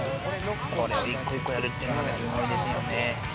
１個１個やるっていうのはすごいですよね。